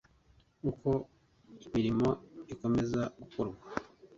uko imirimo ikomeza gukorwa